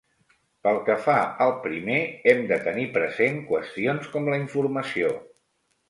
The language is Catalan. Pel que fa al primer hem de tenir present qüestions com la informació.